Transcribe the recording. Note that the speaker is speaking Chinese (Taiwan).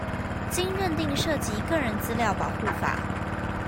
經認定涉及個人資料保護法